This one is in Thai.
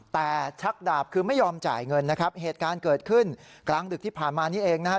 แต่ชักดาบคือไม่ยอมจ่ายเงินนะครับเหตุการณ์เกิดขึ้นกลางดึกที่ผ่านมานี้เองนะครับ